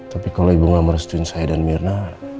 tapi kalau ibu gak merestuin saya dan mirna